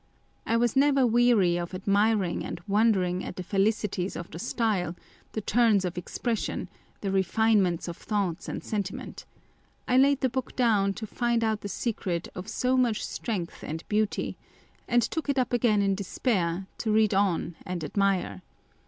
I was never weary of admiring and wondering at the felicities of the style, the turns of expression, the refinements of thought and sentiment : I laid the book down to find out the secret of so much strength and beauty, and took it up again in despair, to read on and admire.